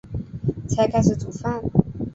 才开始煮饭